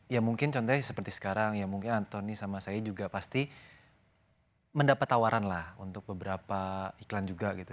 ya mungkin contohnya seperti sekarang ya mungkin antoni sama saya juga pasti mendapat tawaran lah untuk beberapa iklan juga gitu